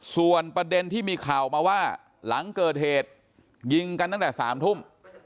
ส่วนประเด็นที่มีข่าวมาว่าหลังเกิดเหตุยิงกันตั้งแต่๓ทุ่ม